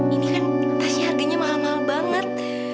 ini kan pasti harganya mahal mahal banget